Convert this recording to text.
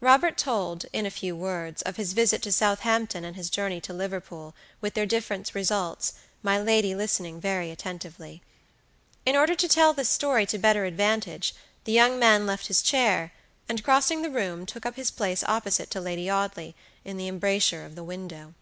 Robert told, in a few words, of his visit to Southampton and his journey to Liverpool, with their different results, my lady listening very attentively. In order to tell this story to better advantage, the young man left his chair, and, crossing the room, took up his place opposite to Lady Audley, in the embrasure of the window.